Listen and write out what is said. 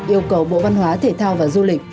yêu cầu bộ văn hóa thể thao và du lịch